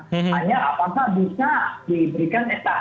hanya apakah bisa diberikan